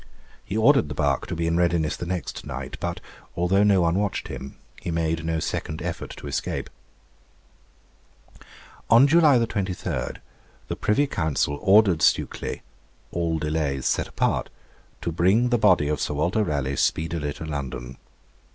He ordered the barque to be in readiness the next night, but although no one watched him, he made no second effort to escape. On July 23 the Privy Council ordered Stukely, 'all delays set apart,' to bring the body of Sir Walter Raleigh speedily to London.